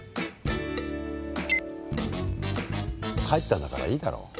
帰ったんだからいいだろ。